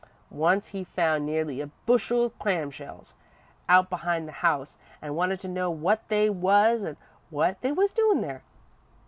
Once he found nearly a bushel of clam shells out behind the house an' wanted to know what they was an' what they was doin' there.